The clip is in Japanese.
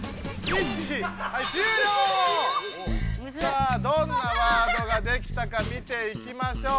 さあどんなワードができたか見ていきましょう。